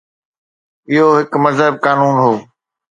اهو هڪ مهذب قانون هو.